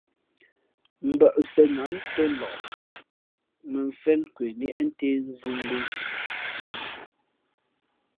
Mbᾱʼ sēn ā ntō nlak mᾱmfén kwe liēʼntē nzīngū.